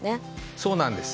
そうなんです。